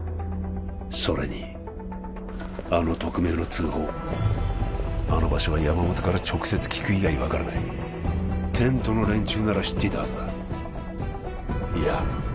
それにあの匿名の通報あの場所は山本から直接聞く以外分からないテントの連中なら知っていたはずだいや